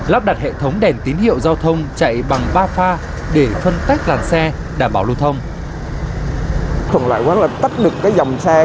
lắp đặt hệ thống đèn tín hiệu giao thông chạy bằng ba pha để phân tách làn xe đảm bảo lưu thông